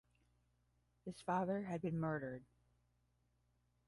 His father had been murdered.